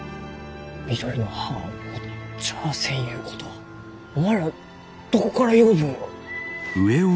緑の葉を持っちゃあせんゆうことはおまんらあどこから養分を？